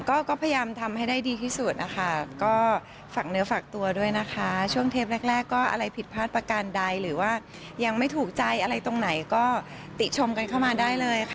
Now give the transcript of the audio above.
ก็ก็พยายามทำให้ได้ดีที่สุดนะคะก็ฝากเนื้อฝากตัวด้วยนะคะช่วงเทปแรกก็อะไรผิดพลาดประการใดหรือว่ายังไม่ถูกใจอะไรตรงไหนก็ติชมกันเข้ามาได้เลยค่ะ